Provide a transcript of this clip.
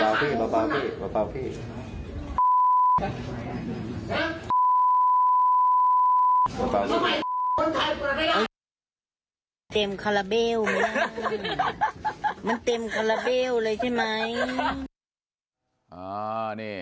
มันเต็มคาราเบลเลยใช่ไหม